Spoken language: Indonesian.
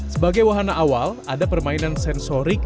sebagai wahana awal ada permainan sensorik